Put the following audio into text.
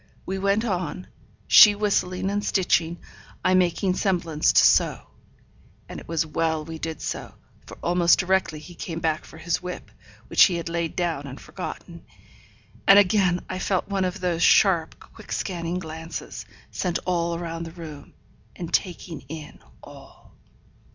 We went on; she whistling and stitching, I making semblance to sew. And it was well we did so; for almost directly he came back for his whip, which he had laid down and forgotten; and again I felt one of those sharp, quick scanning glances, sent all round the room, and taking in all.